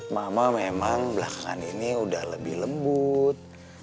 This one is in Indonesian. mama memang belakangan ini udah lebih lembut